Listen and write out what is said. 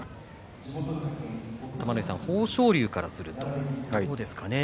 玉ノ井さん、豊昇龍からするとどうですかね。